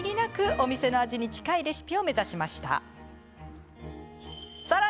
お店の味に近いレシピを目指しました。